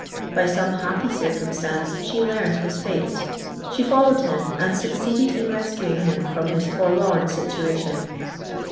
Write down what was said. By some happy circumstance she learned his fate; she followed him, and succeeded in rescuing him from his forlorn situation.